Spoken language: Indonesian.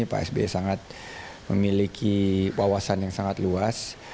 pak sby sangat memiliki wawasan yang sangat luas